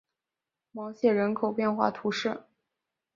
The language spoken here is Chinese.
芒谢人口变化图示